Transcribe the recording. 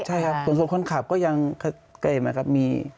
ใช่ครับส่วนส่วนคนขับก็ใหยัง